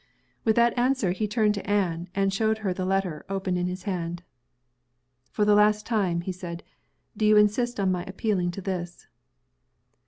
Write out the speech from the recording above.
With that answer, he turned to Anne, and showed her the letter, open in his hand. "For the last time," he said, "do you insist on my appealing to this?"